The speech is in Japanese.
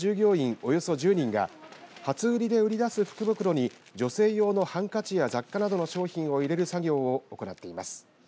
およそ１０人が初売りで売り出す福袋に女性用のハンカチや雑貨などの商品を入れる作業を行っています。